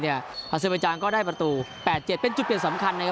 อาเซอร์เบจางก็ได้ประตู๘๗เป็นจุดเปลี่ยนสำคัญนะครับ